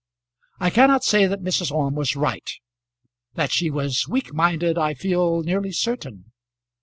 I cannot say that Mrs. Orme was right. That she was weak minded I feel nearly certain.